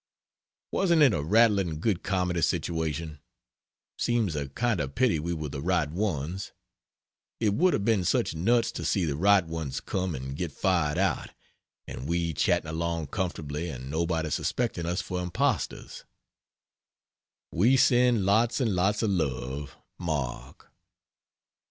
Wasn't it a rattling good comedy situation? Seems a kind of pity we were the right ones. It would have been such nuts to see the right ones come, and get fired out, and we chatting along comfortably and nobody suspecting us for impostors. We send lots and lots of love.